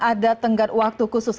ada tenggat waktu khusus